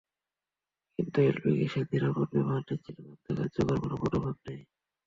কিন্তু এলপি গ্যাসের নিরাপদ ব্যবহার নিশ্চিত করতে কার্যকর কোনো পদক্ষেপ নেই।